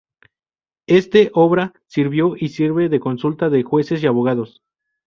Este obra sirvió y sirve de consulta de jueces y abogados.